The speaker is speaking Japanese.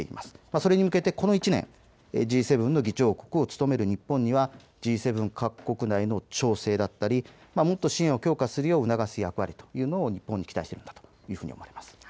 それに向けてこの１年Ｇ７の議長国を務める日本にはＧ７各国内の調整だったりもっと支援を強化するよう促す役割というのを日本に期待しているんだと思います。